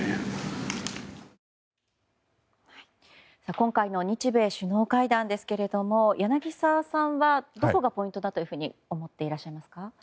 今回の日米首脳会談ですが柳澤さんはどこがポイントだと思っていらっしゃいますか？